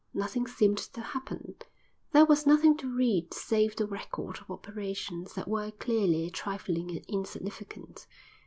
Nothing seemed to happen; there was nothing to read save the record of operations that were clearly trifling and insignificant.